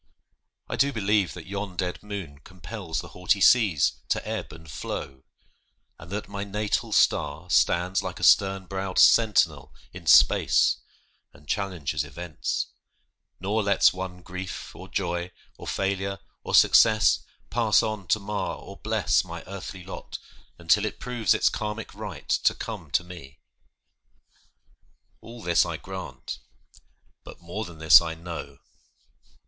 I do believe That yon dead moon compels the haughty seas To ebb and flow, and that my natal star Stands like a stern browed sentinel in space And challenges events; nor lets one grief, Or joy, or failure, or success, pass on To mar or bless my earthly lot, until It proves its Karmic right to come to me. All this I grant, but more than this I know!